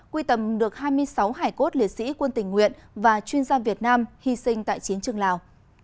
quy tầm được hai mươi sáu hải cốt liệt sĩ quân tình nguyện và chuyên gia việt nam hy sinh tại chiến trường lào